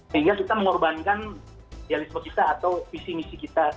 sehingga kita mengorbankan idealisme kita atau visi misi kita